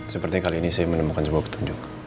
seperti kali ini saya menemukan sebuah petunjuk